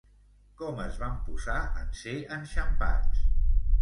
Com es van posar en ser enxampats?